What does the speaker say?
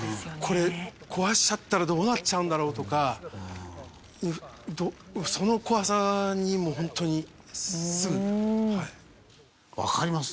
これ壊しちゃったらどうなっちゃうんだろうとかその怖さにもうホントにすぐはい。